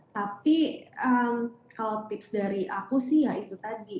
tapi kalau tips dari aku sih ya itu tadi